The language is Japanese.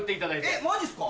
えっマジっすか？